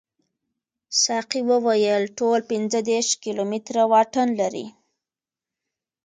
ساقي وویل ټول پنځه دېرش کیلومتره واټن لري.